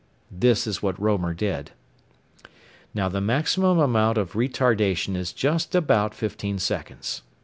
This is what Roemer did. Now the maximum amount of retardation is just about fifteen seconds.